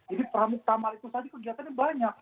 jadi pramuktamar itu saja kegiatannya banyak